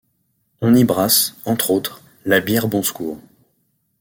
On y brasse, entre autres, la bière Bon Secours.